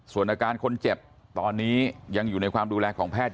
ส่วนอาการคนเจ็บตอนนี้ยังอยู่ในความดูแลของแพทย์